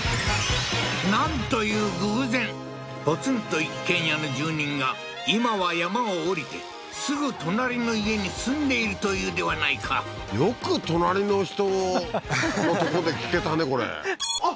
なんという偶然ポツンと一軒家の住人が今は山を下りてすぐ隣の家に住んでいるというではないかよく隣の人のとこで聞けたね